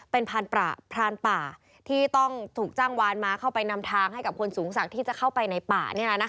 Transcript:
เป็นพรานป่าที่ต้องถูกจ้างวานมาเข้าไปนำทางให้กับคนสูงศักดิ์ที่จะเข้าไปในป่า